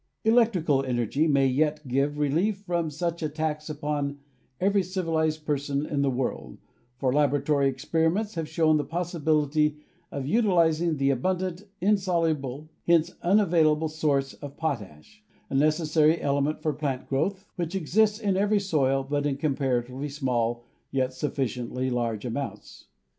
Electrical energy may yet give relief from such a tax upon every civilized person in the world, for laboratory experiments have shown the possibility of util izing the abundant insoluble, hence unavailable, source of potash, a necessary element for plant growth, which exists in every soil, but in comparatively small, yet sufficiently large, amounts.